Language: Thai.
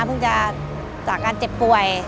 เพิ่งจะจากการเจ็บป่วย